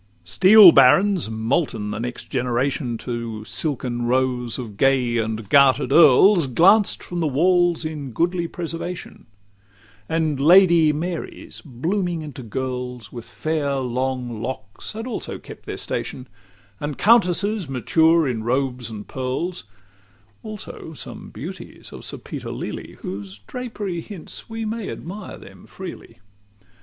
LXVIII Steel barons, molten the next generation To silken rows of gay and garter'd earls, Glanced from the walls in goodly preservation; And Lady Marys blooming into girls, With fair long locks, had also kept their station; And countesses mature in robes and pearls: Also some beauties of Sir Peter Lely, Whose drapery hints we may admire them freely.